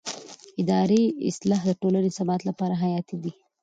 اداري اصلاح د ټولنې ثبات لپاره حیاتي دی